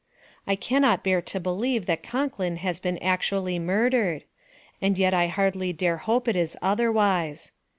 I cannot bear to believe, that Concklin has been actually murdered, and yet I hardly dare hope it is otherwise.